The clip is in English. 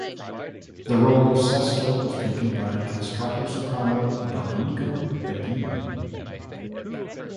The role of Sesto was taken by castrato soprano, Domenico Bedini.